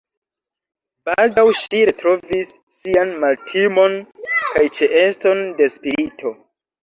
Baldaŭ ŝi retrovis sian maltimon kaj ĉeeston de spirito.